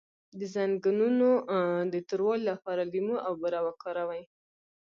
د زنګونونو د توروالي لپاره لیمو او بوره وکاروئ